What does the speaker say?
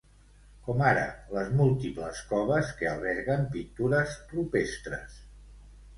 com ara les múltiples coves que alberguen pintures rupestres